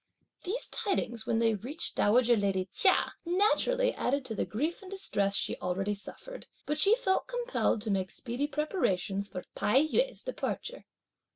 These tidings, when they reached dowager lady Chia, naturally added to the grief and distress (she already suffered), but she felt compelled to make speedy preparations for Tai yü's departure.